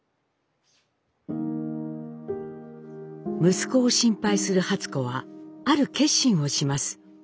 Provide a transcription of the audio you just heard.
息子を心配する初子はある決心をします。